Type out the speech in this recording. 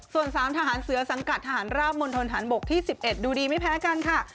ส่วน๓ทหารเสือสังกัดทหารราบมณฑนฐานบกที่๑๑ดูดีไม่แพ้กันค่ะ